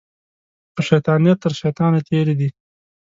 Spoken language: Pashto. په شیطانیه تر شیطانه تېرې دي